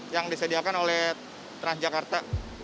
yang disediakan oleh transjakarta